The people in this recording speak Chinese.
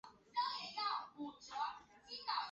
线叶蓟是菊科蓟属的植物。